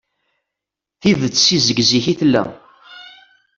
Tidet seg zik i tella.